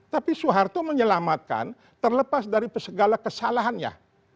tapi soeharto menyelamatkan terlepas dari segala kesalahannya